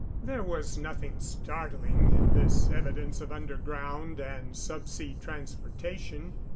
There was nothing startling in this evidence of underground and sub sea transportation.